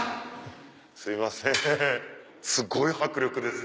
すいませんすごい迫力ですね。